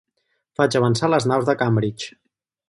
Faig avançar les naus de Cambridge.